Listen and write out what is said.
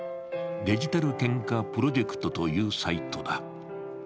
デジタル献花プロジェクトというサイトだ。